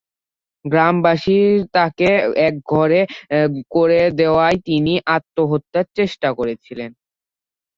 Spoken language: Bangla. গ্রামবাসীর তাঁকে একঘরে করে দেওয়ায় তিনি আত্মহত্যার চেষ্টা করেছিলেন।